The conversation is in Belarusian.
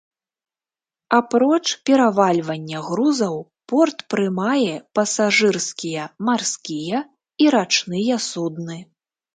Апроч перавальвання грузаў порт прымае пасажырскія марскія і рачныя судны.